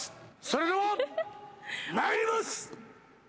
それではまいります！